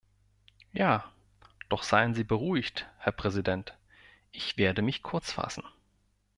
Ja, doch seien Sie beruhigt, Herr Präsident, ich werde mich kurz fassen.